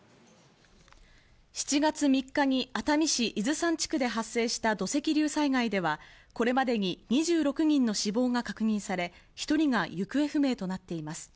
７月３日に熱海市伊豆山地区で発生した土石流災害では、これまでに２６人の死亡が確認され、１人が行方不明となっています。